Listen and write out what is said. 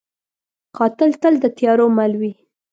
قاتل تل د تیارو مل وي